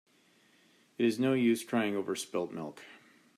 It is no use crying over spilt milk.